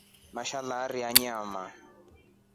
Mashalarii anyama.